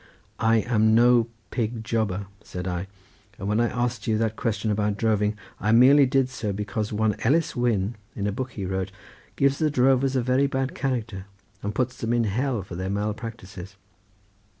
"I am no pig jobber," said I, "and when I asked you that question about droving, I merely did so because one Ellis Wynn, in a book he wrote, gives the drovers a very bad character, and puts them in Hell for their mal practices."